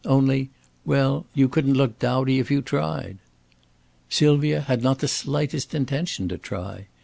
Only well, you couldn't look dowdy if you tried." Sylvia had not the slightest intention to try.